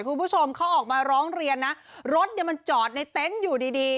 คุณผู้ชมเขาออกมาร้องเรียนนะรถเนี่ยมันจอดในเต็นต์อยู่ดีดี